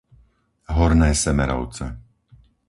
Horné Semerovce